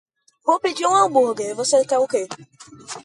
Vou pedir um hambúrger. Você quer o quê?